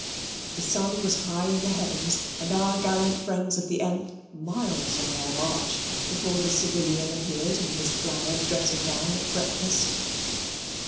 The sun was high in the heavens, and our gallant friends of the th miles on their march, before the civilian appeared in his flowered dressing gown at breakfast.